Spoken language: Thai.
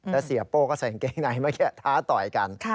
แล้วเสียโป้ก็ใส่เก๊งไหนมาท้าต่อยกัน